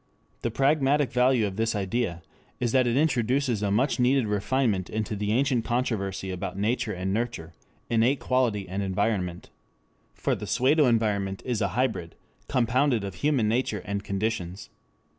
The pragmatic value of this idea is that it introduces a much needed refinement into the ancient controversy about nature and nurture, innate quality and environment. For the pseudo environment is a hybrid compounded of "human nature" and "conditions."